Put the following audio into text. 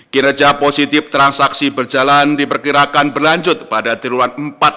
kira kira positif transaksi berjalan diperkirakan berlanjut pada triwulan empat dua ribu dua puluh